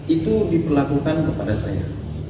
itu diperlakukan kepada saya